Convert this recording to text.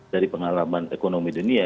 dari pengalaman ekonomi dunia